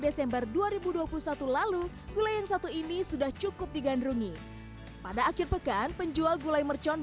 desember dua ribu dua puluh satu lalu gulai yang satu ini sudah cukup digandrungi pada akhir pekan penjual gulai mercon